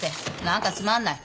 何かつまんない。